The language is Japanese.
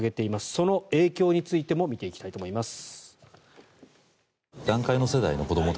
その影響についても見ていきたいと思います。